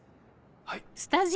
はい。